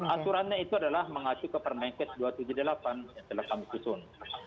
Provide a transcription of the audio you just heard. aturannya itu adalah mengacu ke permenkes dua ratus tujuh puluh delapan yang telah kami susun